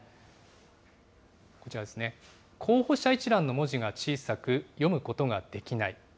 こちらですね、候補者一覧の文字が小さく、読むことができない。